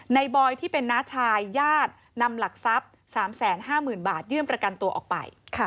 บอยที่เป็นน้าชายญาตินำหลักทรัพย์๓๕๐๐๐บาทยื่นประกันตัวออกไป